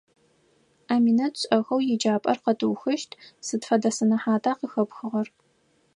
Аминэт, шӀэхэу еджапӀэр къэтыухыщт, сыд фэдэ сэнэхьата къыхэпхыгъэр?